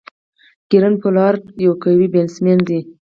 کیرن پولارډ یو قوي بيټسمېن دئ.